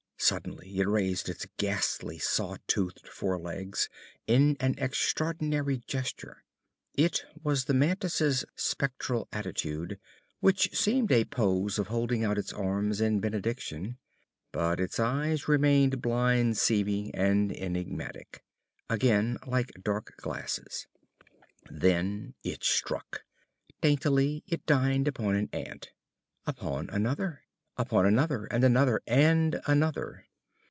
Suddenly it raised its ghastly saw toothed forelegs in an extraordinary gesture. It was the mantis's spectral attitude, which seemed a pose of holding out its arms in benediction. But its eyes remained blind seeming and enigmatic, again like dark glasses. Then it struck. Daintily, it dined upon an ant. Upon another. Upon another and another and another.